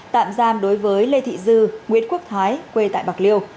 tạm giam đối với lê thị dư nguyễn quốc thái quê tại bạc liêu